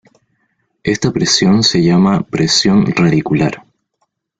Esta presión se llama "presión radicular.